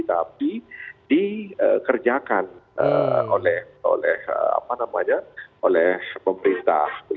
tapi dikerjakan oleh pemerintah